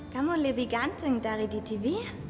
kamu lebih ganteng dari di tv